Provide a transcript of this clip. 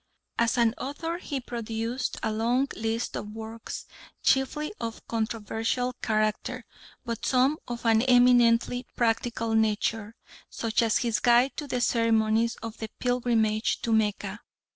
As an author he produced a long list of works chiefly of a controversial character, but some of an eminently practical nature, such as his guide to the ceremonies of the pilgrimage to Mecca.